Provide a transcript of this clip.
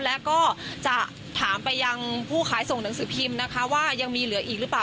และก็จะถามไปยังผู้ขายส่งหนังสือพิมพ์นะคะว่ายังมีเหลืออีกหรือเปล่า